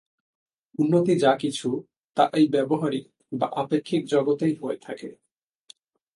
উন্নতি যা কিছু, তা এই ব্যাবহারিক বা আপেক্ষিক জগতেই হয়ে থাকে।